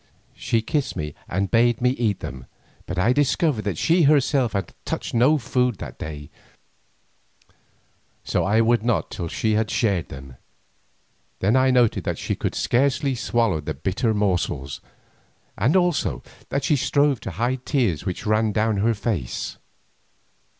She kissed me and bade me eat them, but I discovered that she herself had touched no food that day, so I would not till she shared them. Then I noted that she could scarcely swallow the bitter morsels, and also that she strove to hide tears which ran down her face.